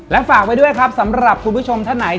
และฝากไว้ด้วยครับสำหรับคุณผู้ชมท่านไหน